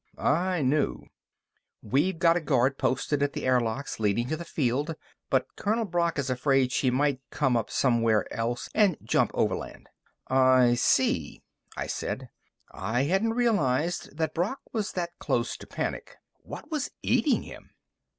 I knew. "We've got a guard posted at the airlocks leading to the field, but Colonel Brock is afraid she might come up somewhere else and jump overland." "I see," I said. I hadn't realized that Brock was that close to panic. What was eating him?